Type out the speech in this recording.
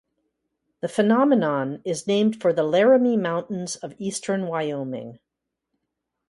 The phenomenon is named for the Laramie Mountains of eastern Wyoming.